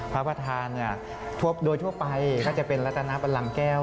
พระประธานโดยทั่วไปก็จะเป็นรัตนาบันลังแก้ว